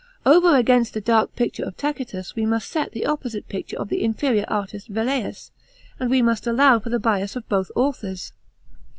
Over against the dark picture of Tacitus we must set the opposite picture of the inferior artist Velleius, and we must allow for the bias of both authors.